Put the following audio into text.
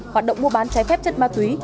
hoạt động mua bán trái phép chất ma túy